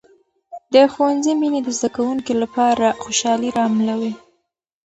د ښوونځي مینې د زده کوونکو لپاره خوشحالي راملوي.